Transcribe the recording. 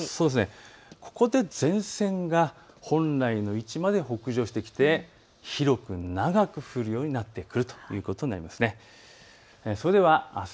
前線が本来の位置まで北上してきて広く、長く降るようになってくるということになります。